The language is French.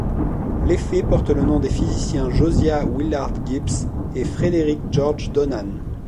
L'effet porte le nom des physiciens Josiah Willard Gibbs et Frederick George Donnan.